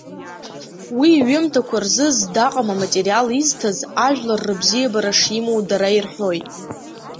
Уи, иҩымҭақәа рзы здаҟам аматериал изҭаз, ажәлар рыбзиабара шимоу дара ирҳәоит.